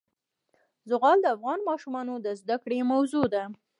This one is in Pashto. زغال د افغان ماشومانو د زده کړې موضوع ده.